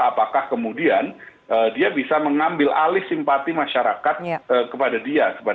apakah kemudian dia bisa mengambil alih simpati masyarakat kepada dia